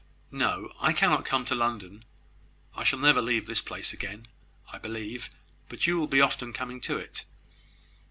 "No: I cannot come to London. I shall never leave this place again, I believe; but you will be often coming to it.